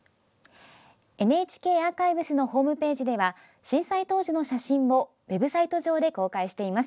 ＮＨＫアーカイブスのホームページでは震災当時の写真をウェブサイト上で公開しています。